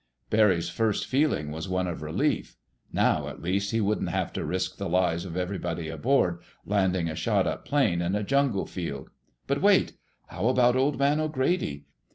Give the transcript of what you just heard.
Barry's first feeling was one of relief. Now, at least, he wouldn't have to risk the lives of everybody aboard, landing a shot up plane on a jungle field. But, wait! How about Old Man O'Grady?